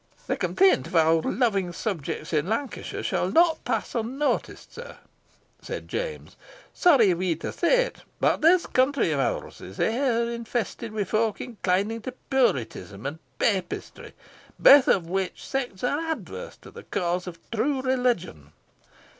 "The complaint of our loving subjects in Lancashire shall not pass unnoticed, sir," said James. "Sorry are we to say it, but this county of ours is sair infested wi' folk inclining to Puritanism and Papistry, baith of which sects are adverse to the cause of true religion.